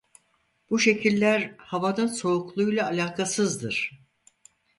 Bu şekiller havanın soğukluğuyla alakasızdır.